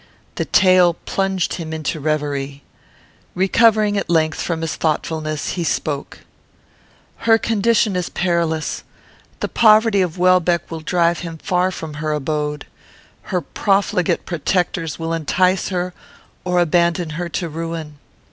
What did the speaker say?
The tale plunged him into reverie. Recovering, at length, from his thoughtfulness, he spoke: "Her condition is perilous. The poverty of Welbeck will drive him far from her abode. Her profligate protectors will entice her or abandon her to ruin.